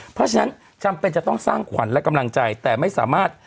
เพราะฉะนั้นจำเป็นจะต้องสร้างขวัญและกำลังใจแต่ไม่สามารถ